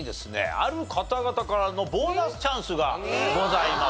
ある方々からのボーナスチャンスがございます。